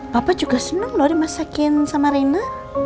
papa juga senang loh dimasakin sama rina